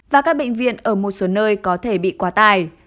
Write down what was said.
và các bệnh viện ở một số nơi có thể bị quá tài